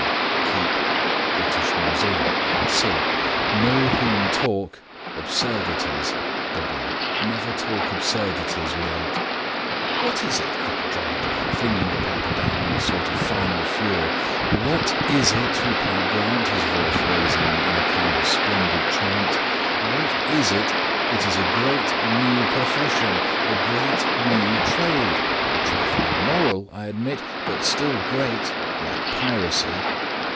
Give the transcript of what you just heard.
W. Keep... British Museum. C. Know whom talk... absurdities. W. Never talk absurdities without... "What is it?" cried Drummond, flinging the paper down in a sort of final fury. "What is it?" replied Grant, his voice rising into a kind of splendid chant. "What is it? It is a great new profession. A great new trade. A trifle immoral, I admit, but still great, like piracy."